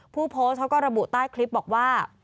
ผู้โพสต์เขาก็ระบุใต้คลิปบอกว่า